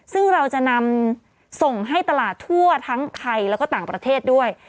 ซึ่งเราจะนำส่งให้ตลาดทั่วทั้งไทยแล้วก็ต่างประเทศด้วย